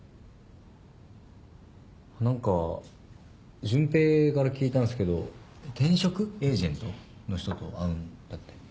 何か潤平から聞いたんですけど転職エージェントの人と会うんだって？